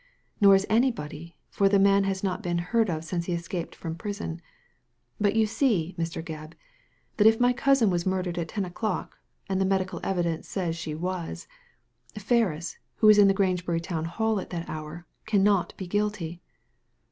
Nor is anybody, for the man has not been heard of since he escaped from prison. But you see, Mr. Gebb, that if my cousin was murdered at ten o'clock — and the medical evidence says she was — Ferris, who was in the Grangebury Town Hall at that hour, cannot be guilty."